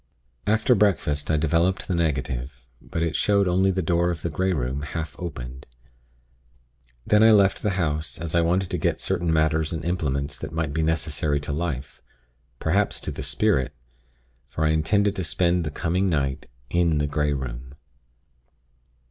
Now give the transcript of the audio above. "After breakfast, I developed the negative; but it showed only the door of the Grey Room, half opened. Then I left the house, as I wanted to get certain matters and implements that might be necessary to life; perhaps to the spirit; for I intended to spend the coming night in the Grey Room.